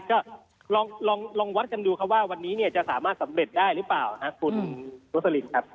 ก็ลองวัดกันดูครับว่าวันนี้เนี่ยจะสามารถสำเร็จได้หรือเปล่านะคุณโรสลินครับ